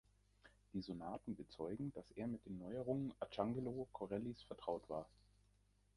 Die Sonaten bezeugen, dass er mit den Neuerungen Arcangelo Corellis vertraut war.